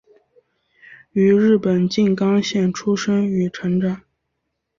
于日本静冈县出生与成长。